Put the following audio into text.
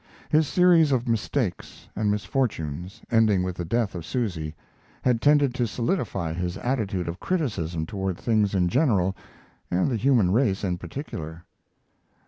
His series of mistakes and misfortunes, ending with the death of Susy, had tended to solidify his attitude of criticism toward things in general and the human race in particular.